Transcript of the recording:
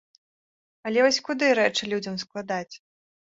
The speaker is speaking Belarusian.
Але вось куды рэчы людзям складаць?